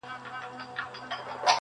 یا د جنګ پر ډګر موږ پهلواني کړه،